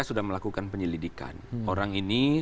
sudah melakukan penyelidikan orang ini